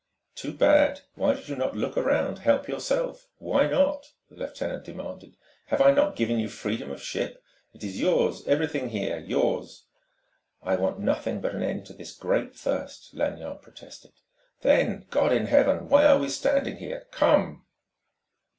"Too bad. Why did you not look around, help yourself? Why not?" the lieutenant demanded. "Have I not given you freedom of ship? It is yours, everything here 'yours!" "I want nothing but an end to this great thirst," Lanyard protested. "Then God in Heaven! why we standing here? Come!"